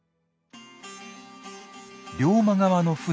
龍馬側の船